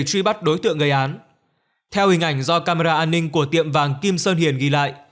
truy bắt đối tượng gây án theo hình ảnh do camera an ninh của tiệm vàng kim sơn hiền ghi lại